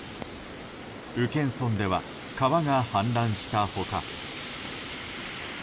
宇検村では川が氾濫した他。